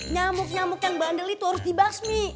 nyamuk nyamuk yang bandel itu harus di basmi